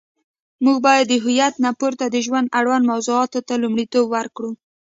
موږ باید د هویت نه پورته د ژوند اړوند موضوعاتو ته لومړیتوب ورکړو.